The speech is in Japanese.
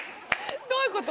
どういうこと？